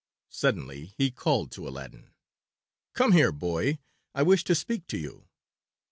Suddenly he called to Aladdin, "Come here, boy; I wish to speak to you."